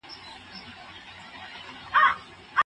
ستا پر ځای به بله مینه بل به ژوند وي